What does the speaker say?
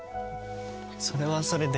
「それはそれで」？